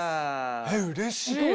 えっうれしいね。